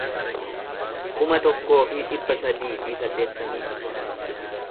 kuma tokkoo fi dhibba sadii fi saddeettamii afur